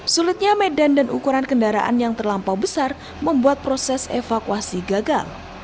sulitnya medan dan ukuran kendaraan yang terlampau besar membuat proses evakuasi gagal